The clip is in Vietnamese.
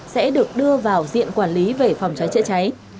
sẽ được đưa vào diện quản lý về phòng cháy chữa cháy